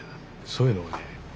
そういうのをね